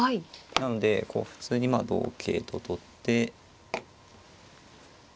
なので普通にまあ同桂と取って。